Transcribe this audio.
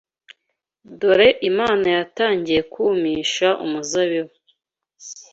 Dore Imana yatangiye kumisha umuzabibu